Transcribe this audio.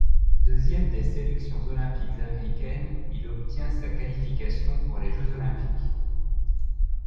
Deuxième des sélections olympiques américaines, il obtient sa qualification pour les Jeux olympiques.